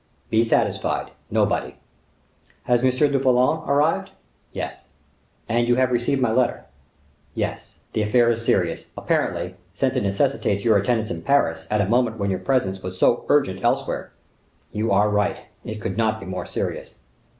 "Be satisfied; nobody." "Is M. du Vallon arrived?" "Yes." "And you have received my letter?" "Yes. The affair is serious, apparently, since it necessitates your attendance in Paris, at a moment when your presence was so urgent elsewhere." "You are right, it could not be more serious."